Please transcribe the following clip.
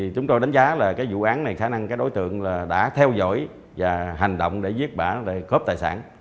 chúng tôi đánh giá là vụ án này khả năng đối tượng đã theo dõi và hành động để giết bà để khớp tài sản